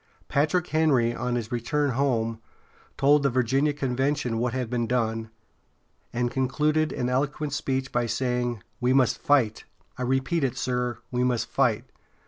Patrick Henry, on his return home, told the Virginia convention what had been done, and concluded an eloquent speech by saying: "We must fight! I repeat it, sir, we must fight!